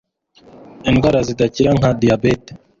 Indwara zidakira nka diyabete,